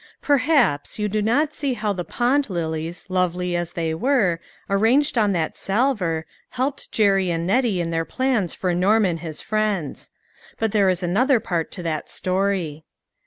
|_)ERHAPS you do not see how the pond lilies, lovely as they were, arranged on that salver, helped Jerry and Nettie in their plans for Norm and his friends. But there is another part to that story.